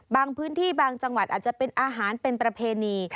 บางพื้นที่บางจังหวัดอาจจะเป็นอาหารเป็นประเพณี